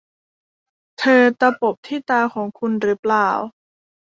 เธอตะปบที่ตาของคุณหรือเปล่า